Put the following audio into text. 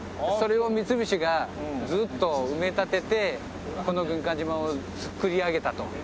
それを三菱がずっと埋め立ててこの軍艦島を造り上げたと。